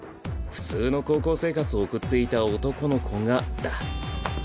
普通の高校生活を送っていた男の子がだ。